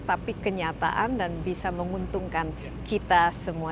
tapi kenyataan dan bisa menguntungkan kita semua